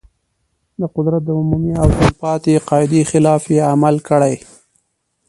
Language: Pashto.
د قدرت د عمومي او تل پاتې قاعدې خلاف یې عمل کړی.